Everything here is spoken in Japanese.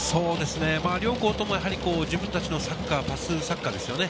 両校とも、自分たちのサッカー、パスサッカーですよね。